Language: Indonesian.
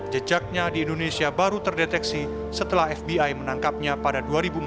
jejaknya di indonesia baru terdeteksi setelah fbi menangkapnya pada dua ribu empat belas